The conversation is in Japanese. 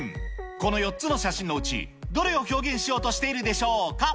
この４つの写真のうち、どれを表現しようとしているでしょうか？